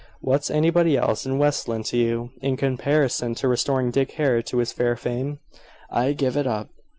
What's anybody else in West Lynne to you, in comparison to restoring Dick Hare to his fair fame? I give it up."